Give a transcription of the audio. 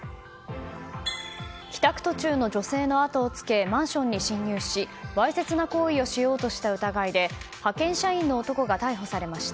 帰宅途中の女性の後をつけマンションに侵入しわいせつな行為をしようとした疑いで派遣社員の男が逮捕されました。